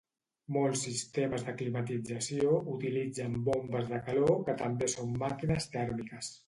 Molts sistemes de climatització utilitzen bombes de calor que també són màquines tèrmiques.